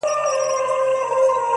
پر كومه تگ پيل كړم؛